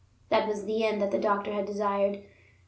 That was the end that the doctor had desired.